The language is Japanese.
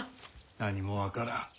何も分からん。